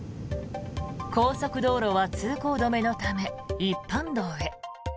高速道路は通行止めのため一般道へ。